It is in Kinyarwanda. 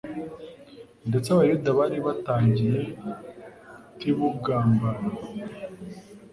Ndetse Abayuda bari batangiye tibugambanyi.